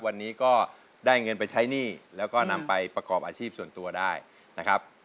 วันนี้ก็ได้เงินไปใช้หนี้แล้วก็นำไปประกอบอาชีพส่วนตัวได้นะครับ